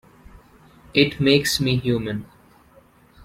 It makes me human.